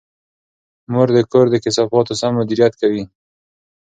مور د کور د کثافاتو سم مدیریت کوي.